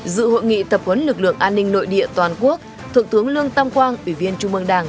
dự hội nghị tập huấn lực lượng an ninh nội địa toàn quốc thượng tướng lương tam quang ủy viên trung mương đảng